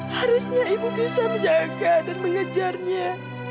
harusnya ibu bisa menjaga dan mengejarnya